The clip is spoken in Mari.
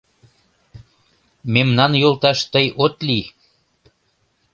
Мемнан йолташ тый от лий.